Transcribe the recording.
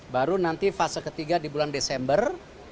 baru nanti fase ketiga di bulan desember